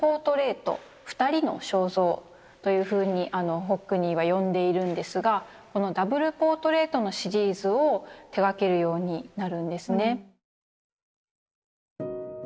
「２人の肖像」というふうにホックニーは呼んでいるんですがこのダブル・ポートレートのシリーズを手がけるようになるんですね。